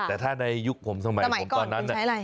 แต่ถ้าในยุคผมสมัยสมัยก่อนคุณใช้อะไร